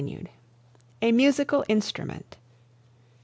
THOMAS. A MUSICAL INSTRUMENT.